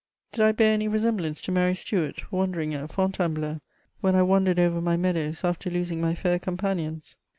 293 Did I bear any resemblance to Mary Stuart wandering at Fon tunebleau, when I wandered over my meadows after losing my £Eur companions